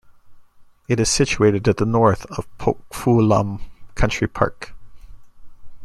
It is situated at the north of Pok Fu Lam Country Park.